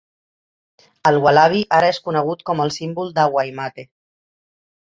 El ualabi ara és conegut com el símbol de Waimate.